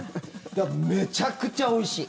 めちゃくちゃおいしい。